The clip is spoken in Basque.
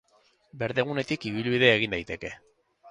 Berdegunetik ibilbidea egin daiteke.